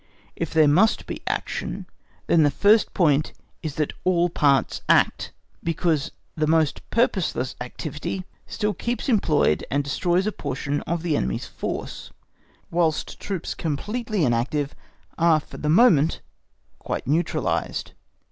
If there must be action, then the first point is that all parts act, because the most purposeless activity still keeps employed and destroys a portion of the enemy's force, whilst troops completely inactive are for the moment quite neutralised.